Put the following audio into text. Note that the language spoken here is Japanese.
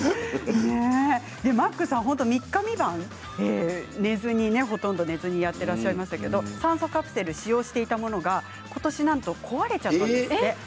マックさん３日３晩寝ずにほとんど寝ずにやってらっしゃいましたが酸素カプセル使用していたものが今年なんと、壊れちゃったと。